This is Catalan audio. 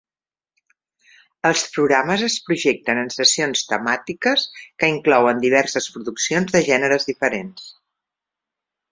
Els programes es projecten en sessions temàtiques, que inclouen diverses produccions de gèneres diferents.